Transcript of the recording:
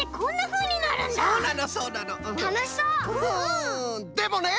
うんでもね！